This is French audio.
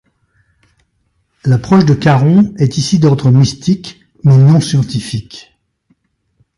L'approche de Charon est ici d'ordre mystique, mais non scientifique.